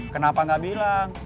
kenapa enggak bilang